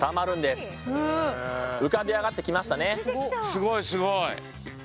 すごいすごい。